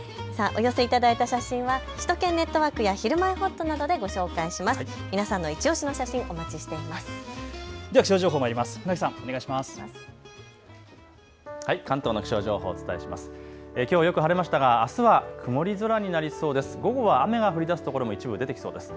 お寄せ頂いた写真は首都圏ネットワークやひるまえほっとなどでご紹介します。